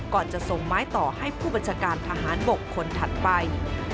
ก่อนจะส่งไม้ต่อให้ผู้บัญชาการทหารบกคนถัดไป